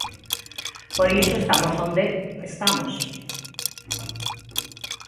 Por iso estamos onde estamos.